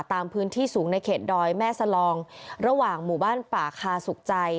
ตามพื้นที่สูงในเขตดอยแม่สลองระหว่างหมู่บ้านป่าคาสุขใจ